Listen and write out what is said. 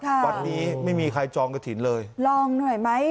วัดนี้ไม่มีใครจองกระถิ่นเลยลองหน่อยไหม